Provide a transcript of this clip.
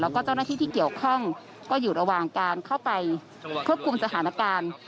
แล้วก็เจ้าหน้าที่ที่เกี่ยวข้องก็อยู่ระหว่างการเข้าไปควบคุมสถานการณ์